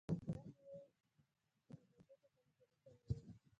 دا مېوه د هډوکو کمزوري کموي.